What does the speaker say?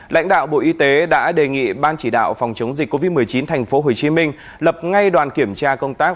lãnh đạo bộ y tế đã đề nghị ban chỉ đạo phòng chống dịch covid một mươi chín tp hcm lập ngay đoàn kiểm tra công tác